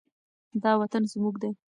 دا وطن زموږ دی.